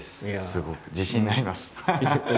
すごく自信になります。